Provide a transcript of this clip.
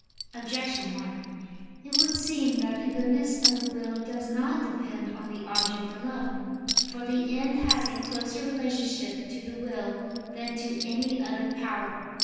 Objection 1: It would seem that the goodness of the will does not depend on the object alone. For the end has a closer relationship to the will than to any other power.